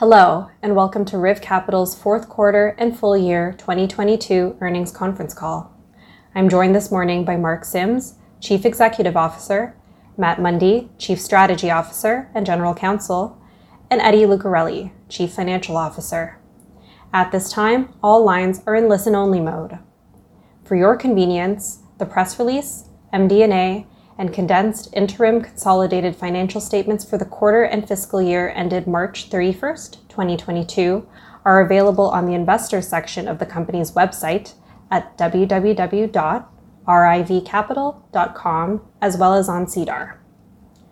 Hello, and welcome to RIV Capital's fourth quarter and full year 2022 earnings conference call. I'm joined this morning by Mark Sims, Chief Executive Officer, Matt Mundy, Chief Strategy Officer and General Counsel, and Eddie Lucarelli, Chief Financial Officer. At this time, all lines are in listen-only mode. For your convenience, the press release, MD&A, and condensed interim consolidated financial statements for the quarter and fiscal year ended March 31, 2022 are available on the investors section of the company's website at www.rivcapital.com, as well as on SEDAR.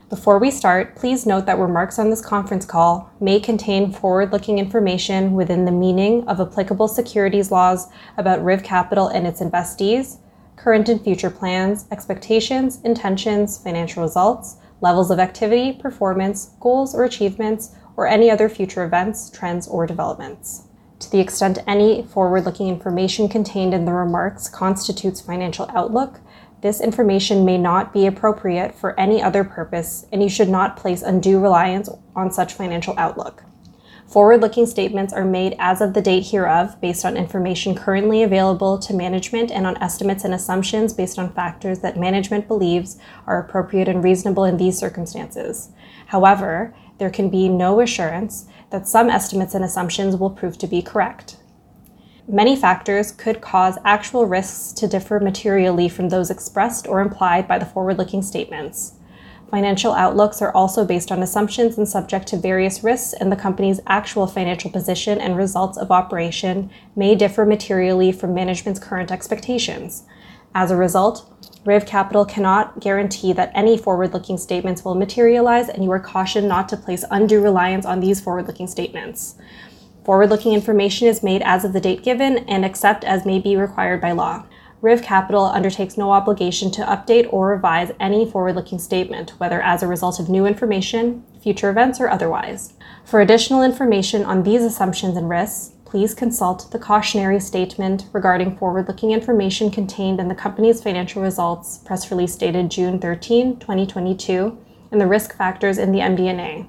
Before we start, please note that remarks on this conference call may contain forward-looking information within the meaning of applicable securities laws about RIV Capital and its investees, current and future plans, expectations, intentions, financial results, levels of activity, performance, goals or achievements, or any other future events, trends or developments. To the extent any forward-looking information contained in the remarks constitutes financial outlook, this information may not be appropriate for any other purpose, and you should not place undue reliance on such financial outlook. Forward-looking statements are made as of the date hereof based on information currently available to management and on estimates and assumptions based on factors that management believes are appropriate and reasonable in these circumstances. However, there can be no assurance that some estimates and assumptions will prove to be correct. Many factors could cause actual risks to differ materially from those expressed or implied by the forward-looking statements. Financial outlooks are also based on assumptions and subject to various risks, and the company's actual financial position and results of operations may differ materially from management's current expectations. As a result, RIV Capital cannot guarantee that any forward-looking statements will materialize, and you are cautioned not to place undue reliance on these forward-looking statements. Forward-looking information is made as of the date given, and except as may be required by law, RIV Capital undertakes no obligation to update or revise any forward-looking statement, whether as a result of new information, future events, or otherwise. For additional information on these assumptions and risks, please consult the cautionary statement regarding forward-looking information contained in the company's financial results press release dated June 13, 2022, and the risk factors in the MD&A.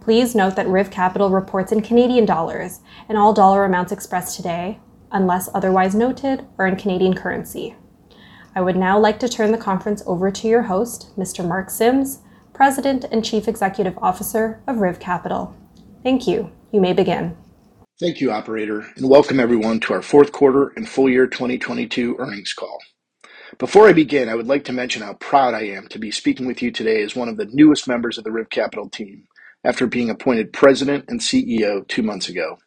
Please note that RIV Capital reports in Canadian dollars, and all dollar amounts expressed today, unless otherwise noted, are in Canadian currency. I would now like to turn the conference over to your host, Mr. Mark Sims, President and Chief Executive Officer of RIV Capital. Thank you. You may begin. Thank you, operator, and welcome everyone to our fourth quarter and full year 2022 earnings call. Before I begin, I would like to mention how proud I am to be speaking with you today as one of the newest members of the RIV Capital team after being appointed president and CEO two months ago.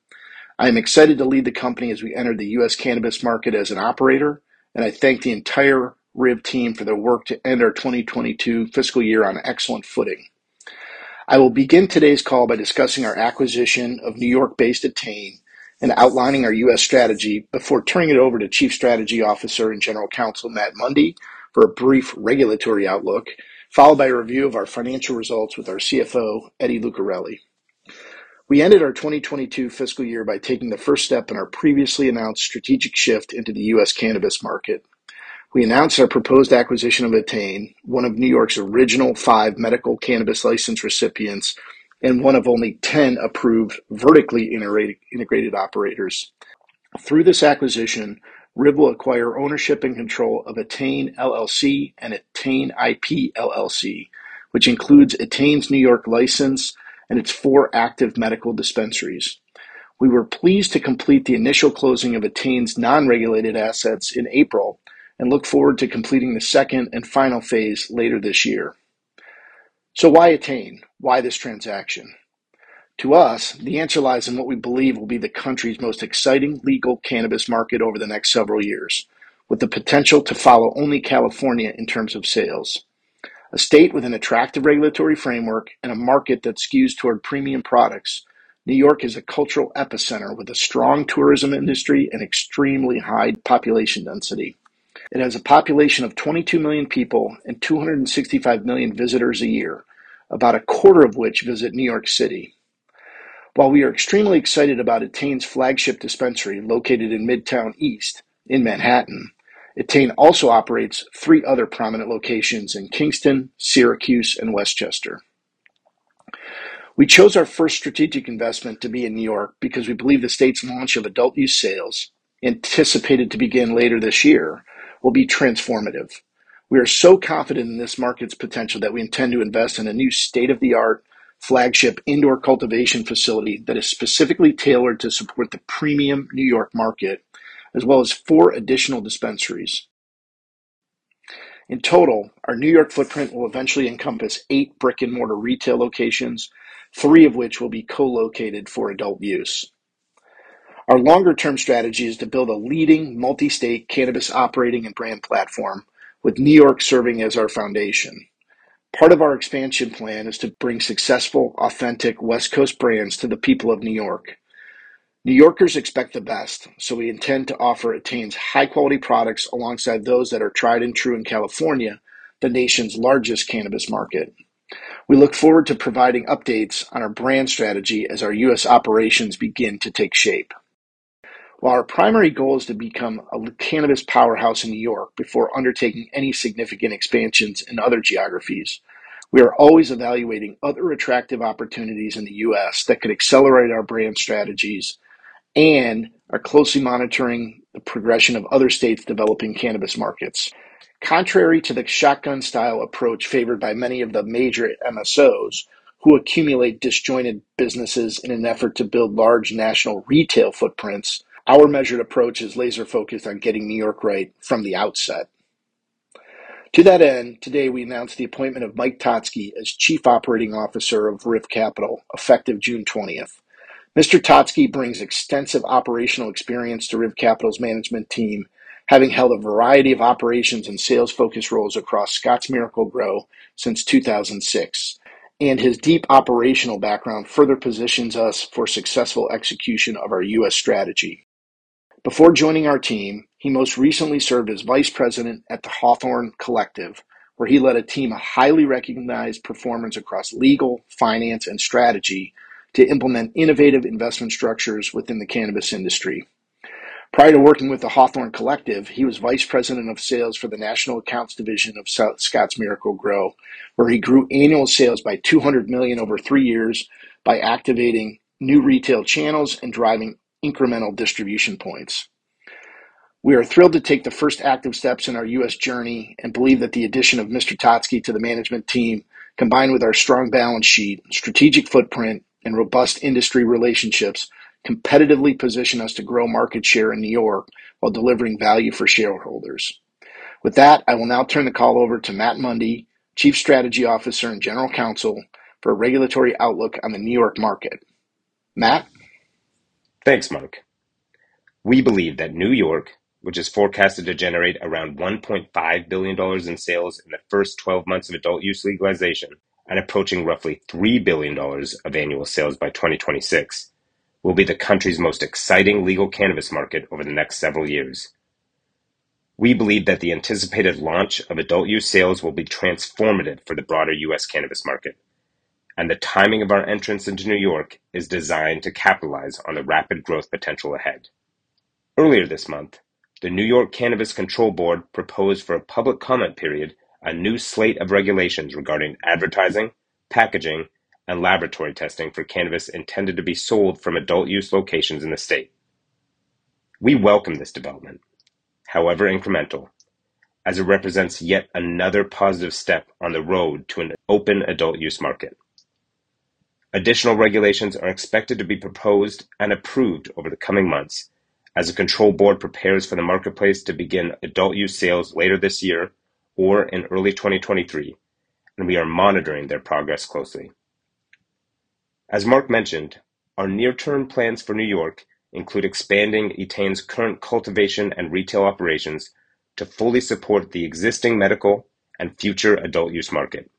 I'm excited to lead the company as we enter the U.S. cannabis market as an operator, and I thank the entire RIV team for their work to end our 2022 fiscal year on excellent footing. I will begin today's call by discussing our acquisition of New York-based Etain and outlining our U.S. strategy before turning it over to chief strategy officer and general counsel, Matt Mundy, for a brief regulatory outlook, followed by a review of our financial results with our CFO, Eddie Lucarelli. We ended our 2022 fiscal year by taking the first step in our previously announced strategic shift into the U.S. cannabis market. We announced our proposed acquisition of Etain, one of New York's original five medical cannabis license recipients and one of only 10 approved vertically integrated operators. Through this acquisition, RIV will acquire ownership and control of Etain LLC and Etain IP LLC, which includes Etain's New York license and its four active medical dispensaries. We were pleased to complete the initial closing of Etain's non-regulated assets in April and look forward to completing the second and final phase later this year. Why Etain? Why this transaction? To us, the answer lies in what we believe will be the country's most exciting legal cannabis market over the next several years, with the potential to follow only California in terms of sales. A state with an attractive regulatory framework and a market that skews toward premium products, New York is a cultural epicenter with a strong tourism industry and extremely high population density. It has a population of 22 million people and 265 million visitors a year, about a quarter of which visit New York City. While we are extremely excited about Etain's flagship dispensary located in Midtown East in Manhattan, Etain also operates three other prominent locations in Kingston, Syracuse, and Westchester. We chose our first strategic investment to be in New York because we believe the state's launch of adult use sales, anticipated to begin later this year, will be transformative. We are so confident in this market's potential that we intend to invest in a new state-of-the-art flagship indoor cultivation facility that is specifically tailored to support the premium New York market, as well as four additional dispensaries. In total, our New York footprint will eventually encompass eight brick-and-mortar retail locations, three of which will be co-located for adult use. Our longer term strategy is to build a leading multi-state cannabis operating and brand platform, with New York serving as our foundation. Part of our expansion plan is to bring successful, authentic West Coast brands to the people of New York. New Yorkers expect the best, so we intend to offer Etain's high-quality products alongside those that are tried and true in California, the nation's largest cannabis market. We look forward to providing updates on our brand strategy as our U.S. operations begin to take shape. While our primary goal is to become a cannabis powerhouse in New York before undertaking any significant expansions in other geographies, we are always evaluating other attractive opportunities in the U.S. that could accelerate our brand strategies and are closely monitoring the progression of other states developing cannabis markets. Contrary to the shotgun style approach favored by many of the major MSOs, who accumulate disjointed businesses in an effort to build large national retail footprints, our measured approach is laser-focused on getting New York right from the outset. To that end, today we announced the appointment of Mike Totzke as Chief Operating Officer of RIV Capital, effective June 20th. Mr. Totzke brings extensive operational experience to RIV Capital's management team, having held a variety of operations and sales-focused roles across Scotts Miracle-Gro since 2006, and his deep operational background further positions us for successful execution of our U.S. strategy. Before joining our team, he most recently served as vice president at The Hawthorne Collective, where he led a team of highly recognized performance across legal, finance, and strategy to implement innovative investment structures within the cannabis industry. Prior to working with The Hawthorne Collective, he was vice president of sales for the national accounts division of Scotts Miracle-Gro, where he grew annual sales by $200 million over three years by activating new retail channels and driving incremental distribution points. We are thrilled to take the first active steps in our U.S. journey and believe that the addition of Mr. Totzke to the management team, combined with our strong balance sheet, strategic footprint, and robust industry relationships, competitively position us to grow market share in New York while delivering value for shareholders. With that, I will now turn the call over to Matt Mundy, Chief Strategy Officer and General Counsel, for a regulatory outlook on the New York market. Matt? Thanks, Mark. We believe that New York, which is forecasted to generate around $1.5 billion in sales in the first 12 months of adult use legalization and approaching roughly $3 billion of annual sales by 2026, will be the country's most exciting legal cannabis market over the next several years. We believe that the anticipated launch of adult use sales will be transformative for the broader U.S. cannabis market, and the timing of our entrance into New York is designed to capitalize on the rapid growth potential ahead. Earlier this month, the New York State Cannabis Control Board proposed for a public comment period a new slate of regulations regarding advertising, packaging, and laboratory testing for cannabis intended to be sold from adult use locations in the state. We welcome this development, however incremental, as it represents yet another positive step on the road to an open adult use market. Additional regulations are expected to be proposed and approved over the coming months as the control board prepares for the marketplace to begin adult use sales later this year or in early 2023, and we are monitoring their progress closely. As Mark mentioned, our near-term plans for New York include expanding Etain's current cultivation and retail operations to fully support the existing medical and future adult use market.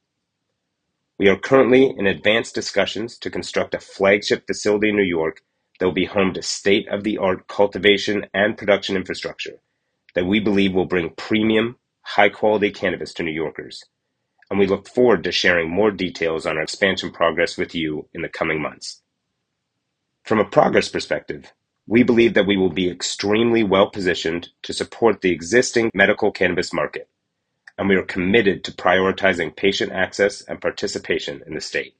We are currently in advanced discussions to construct a flagship facility in New York that will be home to state-of-the-art cultivation and production infrastructure that we believe will bring premium, high-quality cannabis to New Yorkers, and we look forward to sharing more details on our expansion progress with you in the coming months. From a progress perspective, we believe that we will be extremely well-positioned to support the existing medical cannabis market, and we are committed to prioritizing patient access and participation in the state.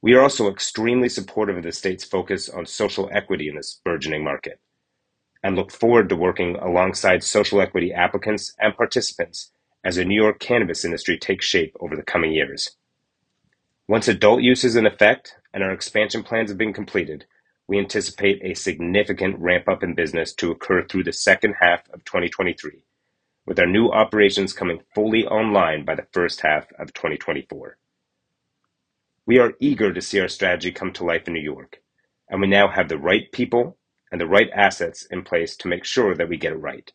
We are also extremely supportive of the state's focus on social equity in this burgeoning market and look forward to working alongside social equity applicants and participants as the New York cannabis industry takes shape over the coming years. Once adult use is in effect and our expansion plans have been completed, we anticipate a significant ramp-up in business to occur through the second half of 2023, with our new operations coming fully online by the first half of 2024. We are eager to see our strategy come to life in New York, and we now have the right people and the right assets in place to make sure that we get it right.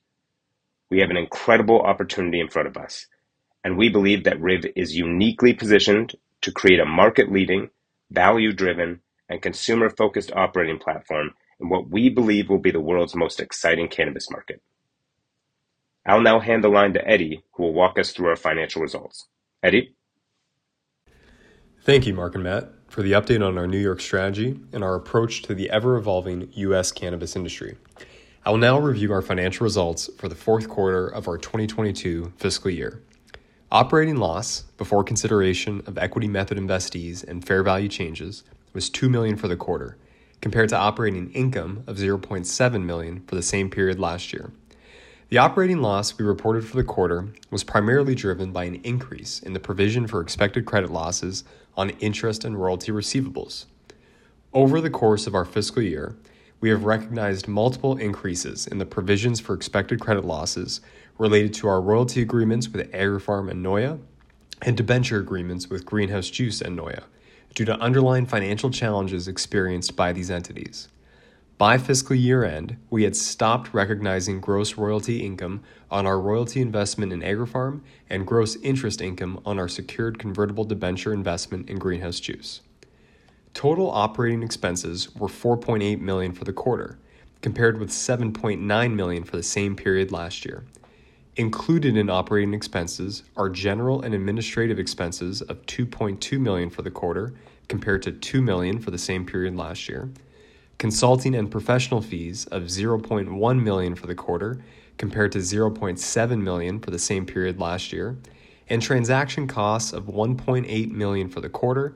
We have an incredible opportunity in front of us, and we believe that RIV Capital is uniquely positioned to create a market-leading, value-driven, and consumer-focused operating platform in what we believe will be the world's most exciting cannabis market. I'll now hand the line to Eddie, who will walk us through our financial results. Eddie? Thank you, Mark and Matt, for the update on our New York strategy and our approach to the ever-evolving U.S. cannabis industry. I will now review our financial results for the fourth quarter of our 2022 fiscal year. Operating loss before consideration of equity method investees and fair value changes was 2 million for the quarter, compared to operating income of 0.7 million for the same period last year. The operating loss we reported for the quarter was primarily driven by an increase in the provision for expected credit losses on interest and royalty receivables. Over the course of our fiscal year, we have recognized multiple increases in the provisions for expected credit losses related to our royalty agreements with Agrifarm and NOYA and debenture agreements with Greenhouse Juice and NOYA due to underlying financial challenges experienced by these entities. By fiscal year-end, we had stopped recognizing gross royalty income on our royalty investment in Agrifarm and gross interest income on our secured convertible debenture investment in Greenhouse Juice. Total operating expenses were 4.8 million for the quarter, compared with 7.9 million for the same period last year. Included in operating expenses are general and administrative expenses of 2.2 million for the quarter compared to 2 million for the same period last year. Consulting and professional fees of 0.1 million for the quarter compared to 0.7 million for the same period last year. Transaction costs of 1.8 million for the quarter,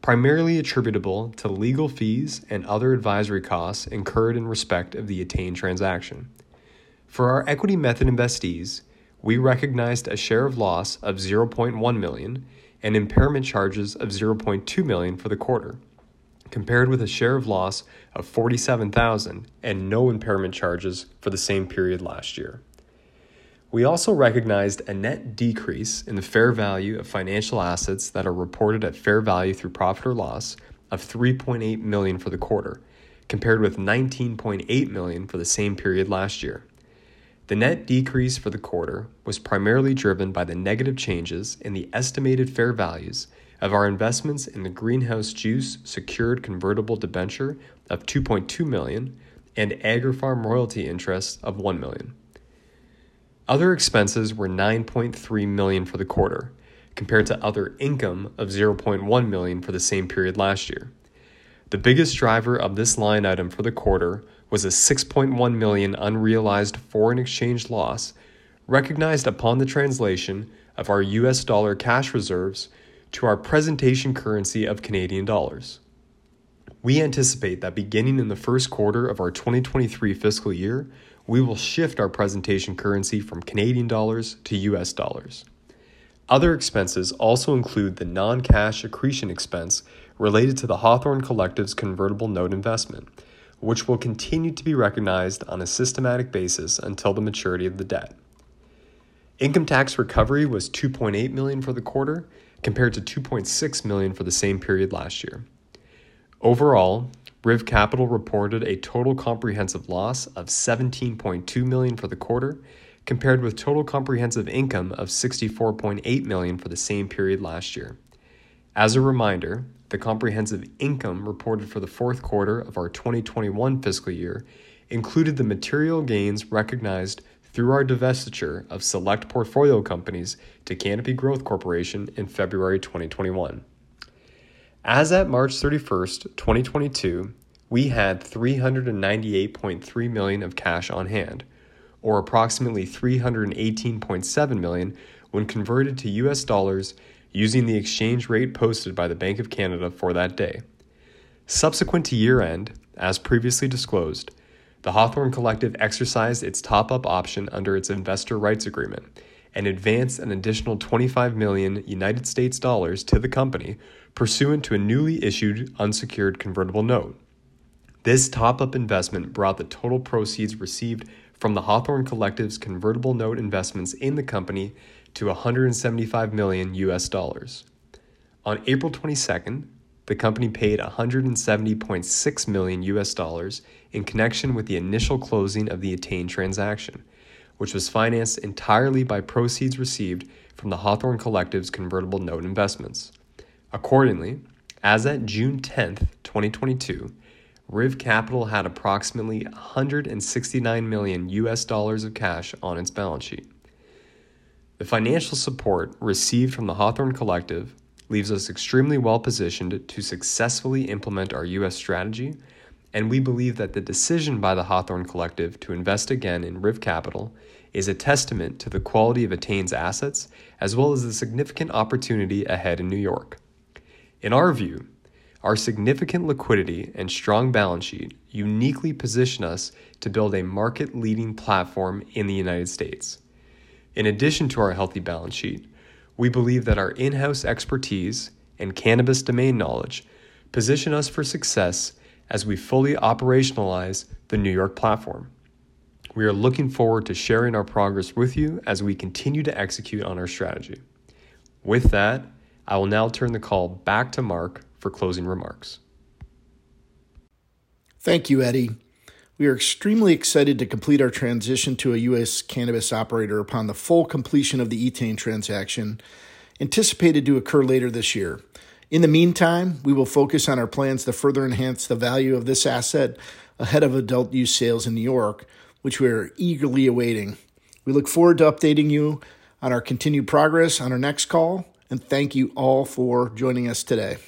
primarily attributable to legal fees and other advisory costs incurred in respect of the Etain transaction. For our equity method investees, we recognized a share of loss of 0.1 million and impairment charges of 0.2 million for the quarter, compared with a share of loss of 47,000 and no impairment charges for the same period last year. We also recognized a net decrease in the fair value of financial assets that are reported at fair value through profit or loss of 3.8 million for the quarter, compared with 19.8 million for the same period last year. The net decrease for the quarter was primarily driven by the negative changes in the estimated fair values of our investments in the Greenhouse Juice secured convertible debenture of 2.2 million and Agrifarm royalty interest of 1 million. Other expenses were 9.3 million for the quarter, compared to other income of 0.1 million for the same period last year. The biggest driver of this line item for the quarter was a 6.1 million unrealized foreign exchange loss recognized upon the translation of our U.S. dollar cash reserves to our presentation currency of Canadian dollars. We anticipate that beginning in the first quarter of our 2023 fiscal year, we will shift our presentation currency from Canadian dollars to U.S. dollars. Other expenses also include the non-cash accretion expense related to The Hawthorne Collective's convertible note investment, which will continue to be recognized on a systematic basis until the maturity of the debt. Income tax recovery was 2.8 million for the quarter, compared to 2.6 million for the same period last year. Overall, RIV Capital reported a total comprehensive loss of CAD 17.2 million for the quarter, compared with total comprehensive income of CAD 64.8 million for the same period last year. As a reminder, the comprehensive income reported for the fourth quarter of our 2021 fiscal year included the material gains recognized through our divestiture of select portfolio companies to Canopy Growth Corporation in February 2021. As at March 31, 2022, we had 398.3 million of cash on hand, or approximately $318.7 million when converted to US dollars using the exchange rate posted by the Bank of Canada for that day. Subsequent to year-end, as previously disclosed, The Hawthorne Collective exercised its top-up option under its investor rights agreement and advanced an additional $25 million to the company pursuant to a newly issued unsecured convertible note. This top-up investment brought the total proceeds received from The Hawthorne Collective's convertible note investments in the company to $175 million. On April 22, the company paid $170.6 million in connection with the initial closing of the Etain transaction, which was financed entirely by proceeds received from The Hawthorne Collective's convertible note investments. Accordingly, as at June 10, 2022, RIV Capital had approximately $169 million of cash on its balance sheet. The financial support received from The Hawthorne Collective leaves us extremely well-positioned to successfully implement our U.S. strategy, and we believe that the decision by The Hawthorne Collective to invest again in RIV Capital is a testament to the quality of Etain's assets as well as the significant opportunity ahead in New York. In our view, our significant liquidity and strong balance sheet uniquely position us to build a market-leading platform in the United States. In addition to our healthy balance sheet, we believe that our in-house expertise and cannabis domain knowledge position us for success as we fully operationalize the New York platform. We are looking forward to sharing our progress with you as we continue to execute on our strategy. With that, I will now turn the call back to Mark for closing remarks. Thank you, Eddie. We are extremely excited to complete our transition to a U.S. cannabis operator upon the full completion of the Etain transaction, anticipated to occur later this year. In the meantime, we will focus on our plans to further enhance the value of this asset ahead of adult-use sales in New York, which we are eagerly awaiting. We look forward to updating you on our continued progress on our next call, and thank you all for joining us today.